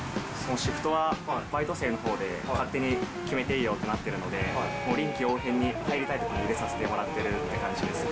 シフトはバイト生のほうで勝手に決めていいよってなってるので、臨機応変に入りたいときに入れさせてもらってるって感じですね。